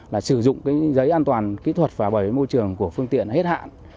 là sử dụng cái giấy an toàn kỹ thuật và bảo vệ môi trường của phương tiện hết hạn